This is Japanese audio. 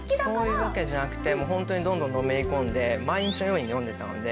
そういうわけじゃなくてホントにどんどんのめり込んで毎日のように読んでたので。